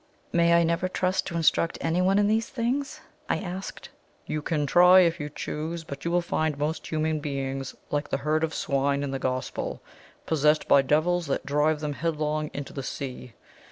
"May I never try to instruct anyone in these things?" I asked. "You can try, if you choose; but you will find most human beings like the herd of swine in the Gospel, possessed by devils that drive them headlong into the sea.